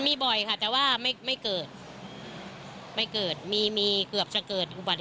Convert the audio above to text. มีบ่อยค่ะแต่ว่าไม่ไม่เกิดไม่เกิดมีมีเกือบจะเกิดอุบัติเหตุ